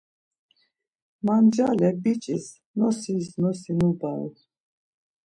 Mancale biç̌iş nosis nosi nubaru.